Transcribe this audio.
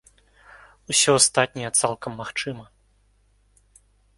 Усё астатняе цалкам магчыма.